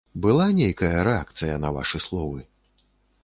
Была нейкая рэакцыя на вашы словы?